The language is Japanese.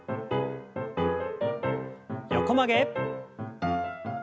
横曲げ。